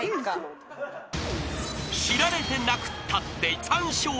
［知られてなくったって３笑達成］